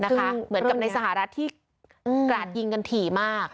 เหมือนกับในสหรัฐที่กราดยิงกันถี่มาก